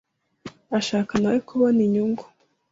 ashaka nawe kubona inyungu,